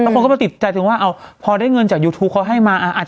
คนก็ไปติดใจตรงว่าพอได้เงินจากยูทูปเขาให้มา